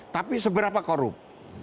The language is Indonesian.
tapi seberapa korup